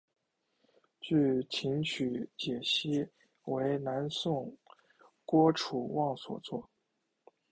据琴曲解析为南宋郭楚望所作。